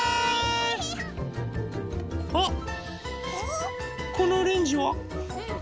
あっこのオレンジは？